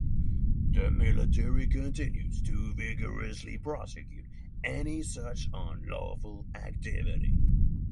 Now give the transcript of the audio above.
The military continues to vigorously prosecute any such unlawful activity.